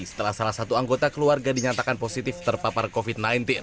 setelah salah satu anggota keluarga dinyatakan positif terpapar covid sembilan belas